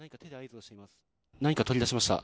何か取り出しました。